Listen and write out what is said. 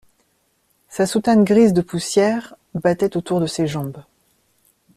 Sa soutane grise de poussière, battait autour de ses jambes.